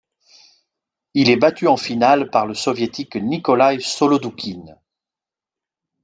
Il est battu en finale par le Soviétique Nikolaï Solodoukhine.